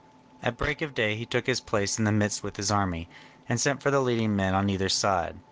At break of day he took his place in the midst with his army, and sent for the leading men on either side.